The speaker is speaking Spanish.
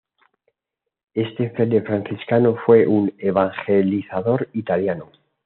Este fraile franciscano fue un evangelizador italiano.